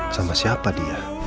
sama siapa dia